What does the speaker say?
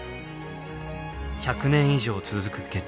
１００年以上続く血統。